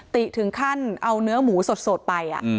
ติถึงขั้นเอาเนื้อหมูสดไป